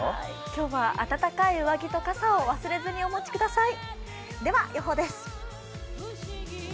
今日はあたたかい上着と傘を忘れずにお持ちください。